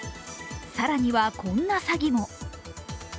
更には、こんな詐欺も。